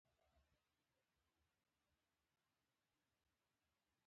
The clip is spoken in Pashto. له نولس سوه پنځوس لسیزې وروسته دغه منطق مخ په زوال شو.